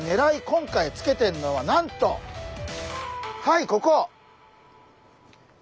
今回つけてんのはなんとはいここ！